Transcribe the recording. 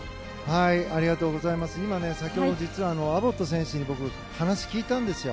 実は先ほどアボット選手に僕、話を聞いたんですよ。